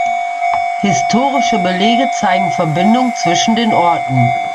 Historische Belege zeigen Verbindungen zwischen den Orten.